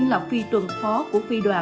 nguyên lọc phi tuần phó của phi đoàn